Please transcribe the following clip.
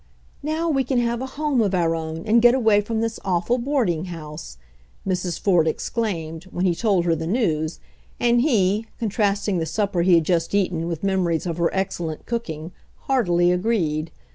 "Now we can have a home of our own, and get away from this awful boarding house," Mrs. Ford exclaimed, when he told her the news, and he, contrasting the supper he had just eaten with memories of her excellent cooking, heartily agreed.